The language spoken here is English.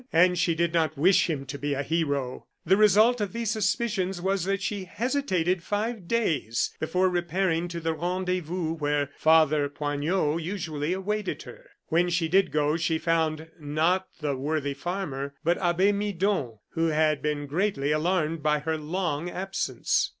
And she did not wish him to be a hero. The result of these suspicions was that she hesitated five days before repairing to the rendezvous where Father Poignot usually awaited her. When she did go, she found, not the worthy farmer, but Abbe Midon, who had been greatly alarmed by her long absence.